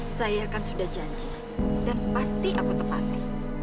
saya kan sudah janji dan pasti aku tepati